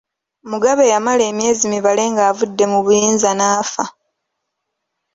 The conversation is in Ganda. Mugabe yamala emyezi mibale ng’avudde mu buyinza n’afa.